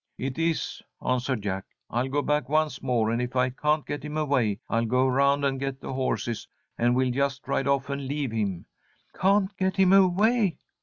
"It is," answered Jack. "I'll go back once more, and if I can't get him away, I'll go around and get the horses and we'll just ride off and leave him." "Can't get him away!"